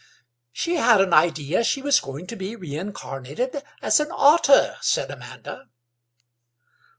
"She had an idea that she was going to be reincarnated as an otter," said Amanda.